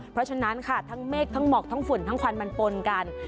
เพราะฉะนั้นค่ะทั้งเมฆทั้งหมอกทั้งฝุ่นทั้งควันมันปนกัน